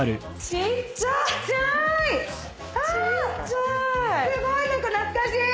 ちっちゃい。